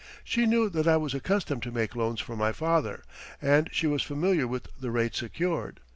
She knew that I was accustomed to make loans for my father, and she was familiar with the rates secured.